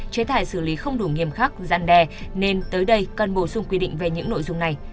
chế tải xử lý không đủ nghiêm khắc giăn đè nên tới đây cần bổ sung quy định về những nội dung này